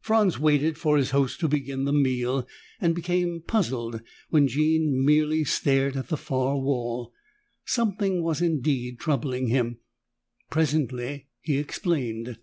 Franz waited for his host to begin the meal and became puzzled when Jean merely stared at the far wall. Something was indeed troubling him. Presently he explained.